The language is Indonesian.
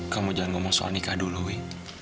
kamu jangan ngomong soal nikah dulu ya